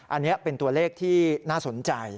อันนี้เป็นตัวเลขที่น่าสนใจ